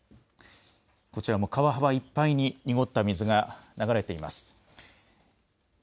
こちらも川幅いっぱいに濁った水が流れています。